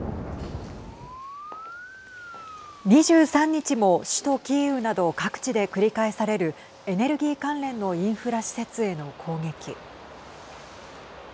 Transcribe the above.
２３日も首都キーウなど各地で繰り返されるエネルギー関連のインフラ施設への攻撃。